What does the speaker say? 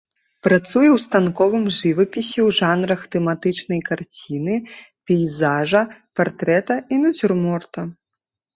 Працуе ў станковым жывапісе ў жанрах тэматычнай карціны, пейзажа, партрэта і нацюрморта.